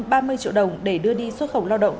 ba mươi triệu đồng để đưa đi xuất khẩu lao động